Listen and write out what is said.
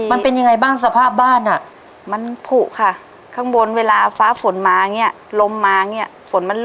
อุปกรณ์เครื่องมืออะไรมาซ่อม